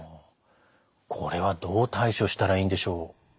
これはどう対処したらいいんでしょう？